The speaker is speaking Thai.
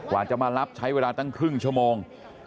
กว่าจะมารับใช้เวลาตั้งครึ่งชั่วโมง